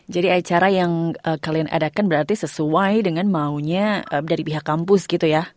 jadi acara yang kalian adakan berarti sesuai dengan maunya dari pihak kampus gitu ya